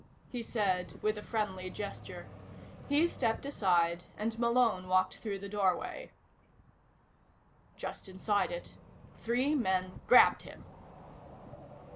he said, with a friendly gesture. He stepped aside and Malone walked through the doorway. Just inside it, three men grabbed him.